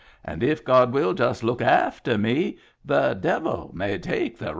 And if Gawd will just look afteh me The devil may take the raist."